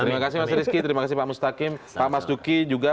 terima kasih mas rizky terima kasih pak mustaqim pak mas duki juga